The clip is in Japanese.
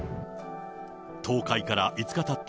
倒壊から５日たった